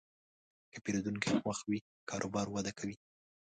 که پیرودونکی خوښ وي، کاروبار وده کوي.